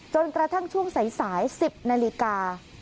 จนกระทั่งช่วงสาย๑๐นาฬิกา